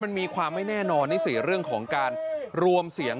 มันมีความไม่แน่นอนนี่สิเรื่องของการรวมเสียง